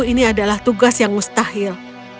ini adalah tugas yang mustahil